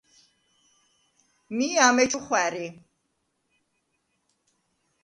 მი ამეჩუ ხვა̈რი.